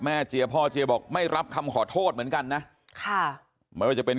เจียพ่อเจียบอกไม่รับคำขอโทษเหมือนกันนะค่ะไม่ว่าจะเป็น